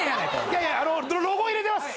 いやいやロゴ入れてます。